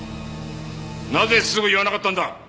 なぜすぐ言わなかったんだ？